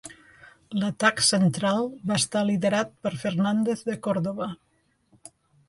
L'atac central va estar liderat per Fernández de Córdoba.